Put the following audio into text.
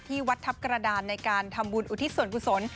ที่วัดทัพกระดานในการทำบุญอุทิศสวรรคุสล